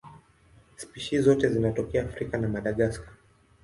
Spishi zote zinatokea Afrika na Madagaska.